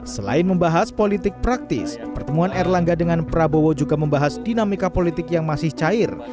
selain membahas politik praktis pertemuan erlangga dengan prabowo juga membahas dinamika politik yang masih cair